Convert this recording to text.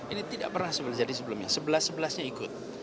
ini tidak pernah jadi sebelumnya sebelas sebelasnya ikut